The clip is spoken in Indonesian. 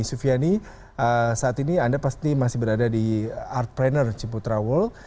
sufiani saat ini anda pasti masih berada di art planner ciputra world